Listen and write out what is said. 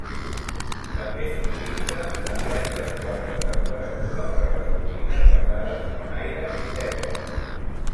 També s'utilitza en aliatges d'alta temperatura per a les turbines basades en aire i terra.